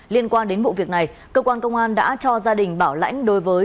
liên quan đến vụ việc này cơ quan công an đã cho gia đình bảo lãnh đối với